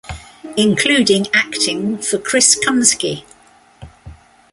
Including acting for Chris Comesky.